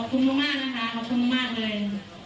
ขอบคุณมากนะคะขอบคุณมากเลย